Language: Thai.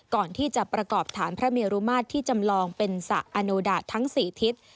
ก่อนที่จะประกอบฐานพระเมรุมาตรที่จำลองเป็นสระอโนดาะทั้ง๔ทิศ